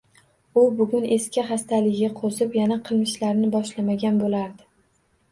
U bugun eski xastaligi qo`zib, yana qilmishlarini boshlamagan bo`lardi